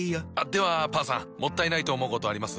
ではパンさんもったいないと思うことあります？